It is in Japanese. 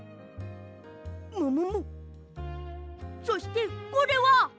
そしてこれは！？